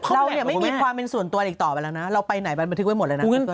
เขาไม่ให้เป็นส่วนตัวอีกตอนอีกแล้วนะเราไปไหนบ้างมันทุกเมื่อแล้ว